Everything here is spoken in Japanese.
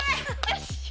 よし！